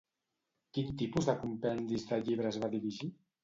Quin tipus de compendis de llibres va dirigir?